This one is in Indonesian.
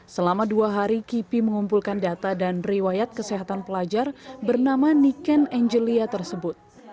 selama dua hari kipi mengumpulkan data dan riwayat kesehatan pelajar bernama niken angelia tersebut